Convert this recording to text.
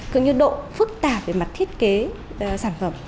cứ như độ phức tạp về mặt thiết kế sản phẩm